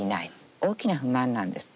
大きな不満なんです。